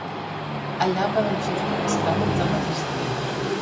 Allà poden fer-li aquests tràmits el mateix dia.